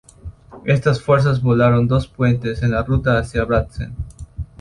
Estas fuerzas volaron dos puentes en la ruta hacia Brandsen.